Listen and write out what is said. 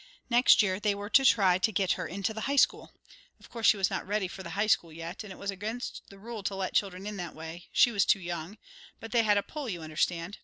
Next year they were to try to get her into the high school. Of course she was not ready for the high school yet, and it was against the rule to let children in that way, she was too young, but they had a pull, you understand.